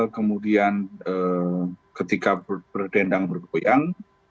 kemudian ketika berdendam bergoyang